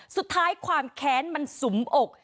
สุดท้ายความแค้นมันสุมอก